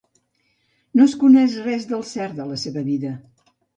No es coneix res del cert de la seva vida.